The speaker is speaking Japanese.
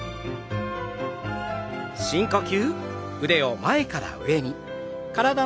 深呼吸。